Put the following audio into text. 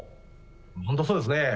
本当そうですね。